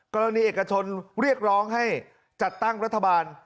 เอกชนเรียกร้องให้จัดตั้งรัฐบาล